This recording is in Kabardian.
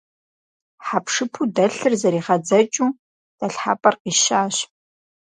Хьэпшыпу дэлъыр зэригъэдзэкӀыу дэлъхьэпӏэр къищащ.